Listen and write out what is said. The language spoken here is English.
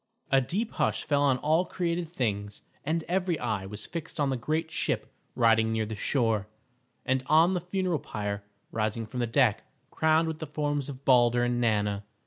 A deep hush fell on all created things, and every eye was fixed on the great ship riding near the shore, and on the funeral pyre rising from the deck crowned with the forms of Balder and Nanna.